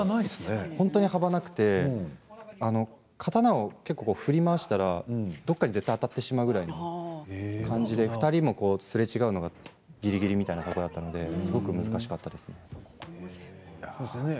本当に幅がなくて剣を振り回したらどこかに絶対当たってしまうぐらい２人すれ違うのがぎりぎりみたいなところだったのですごく難しかったです。